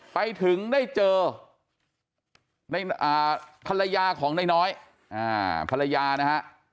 ไปถึงได้เจอในภรรยาของนายน้อยภรรยานะฮะ